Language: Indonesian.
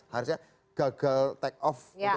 harusnya gagal take off